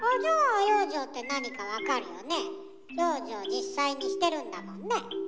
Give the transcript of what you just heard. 実際にしてるんだもんね。